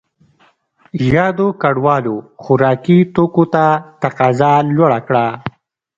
یادو کډوالو خوراکي توکو ته تقاضا لوړه کړه.